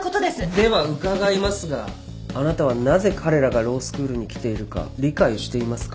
では伺いますがあなたはなぜ彼らがロースクールに来ているか理解していますか？